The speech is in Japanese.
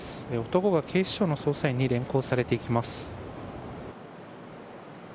男が警視庁の捜査員に連行されていきます。